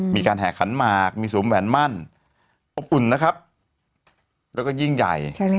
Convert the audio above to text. แห่ขันหมากมีสวมแหวนมั่นอบอุ่นนะครับแล้วก็ยิ่งใหญ่